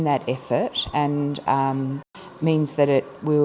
bạn sẽ cảm thấy